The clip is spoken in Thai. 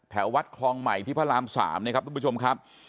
วัดคลองใหม่ที่พระราม๓นะครับทุกผู้ชมครับ